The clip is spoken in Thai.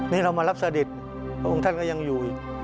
นี่เรามารับเสด็จพระองค์ท่านก็ยังอยู่อีก